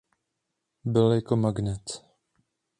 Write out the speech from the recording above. Byl jako magnet.